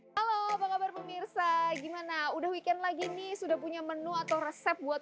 halo apa kabar pemirsa gimana udah weekend lagi nih sudah punya menu atau resep buat